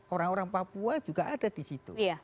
orang orang papua juga ada di situ